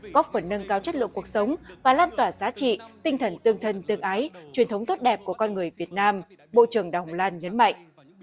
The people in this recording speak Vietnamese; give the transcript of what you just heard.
góp phần nâng cao chất lượng cuộc sống và lan tỏa giá trị tinh thần tương thân tương ái truyền thống tốt đẹp của con người việt nam bộ trưởng đồng lan nhấn mạnh